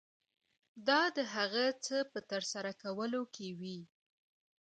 دا د هغه څه په ترسره کولو کې وي.